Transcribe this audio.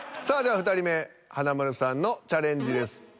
さあでは２人目華丸さんのチャレンジです。